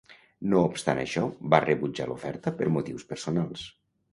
No obstant això va rebutjar l'oferta per motius personals.